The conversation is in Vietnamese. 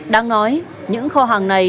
đang nói những kho hàng này